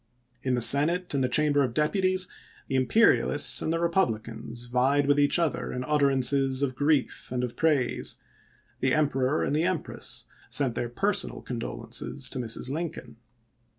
In the Senate and the Chamber of Deputies the imperialists and the republicans vied with each other in utterances of grief and of praise ; the Emperor and the Empress sent their personal condolences to Mrs. Lincoln.